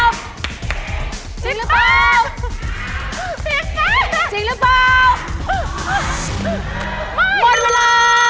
หมดเวลา